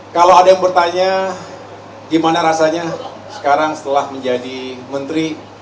kalau ada yang bertanya gimana rasanya sekarang setelah menjadi menteri